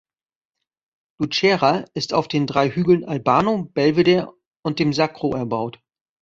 Lucera ist auf den drei Hügeln "Albano", "Belvedere" und dem "Sacro" erbaut.